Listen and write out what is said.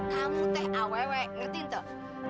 kamu teh awewe ngertiin tuh